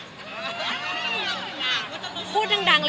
อยากดูดัง